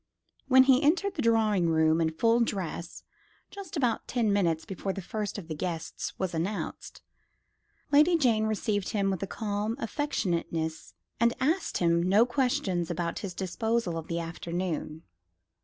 When he entered the drawing room in full dress just about ten minutes before the first of the guests was announced, Lady Jane received him with a calm affectionateness, and asked him no questions about his disposal of the afternoon.